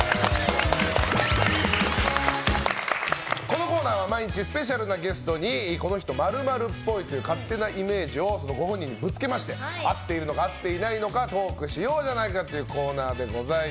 このコーナーは毎日スペシャルなゲストにこの人○○っぽいという勝手なイメージをご本人にぶつけまして合っているのか合っていないのかトークしようじゃないかというコーナーです。